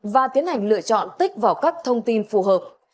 và tiến hành lựa chọn tích vào các thông tin phù hợp